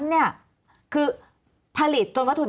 สำหรับกำลังการผลิตหน้ากากอนามัย